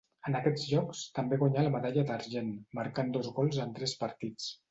En aquests jocs també guanyà la medalla d'argent, marcant dos gols en tres partits.